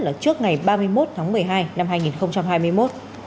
là trước ngày ba mươi một tháng một mươi hai năm hai nghìn hai mươi một